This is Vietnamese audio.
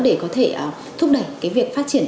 để có thể thúc đẩy cái việc phát triển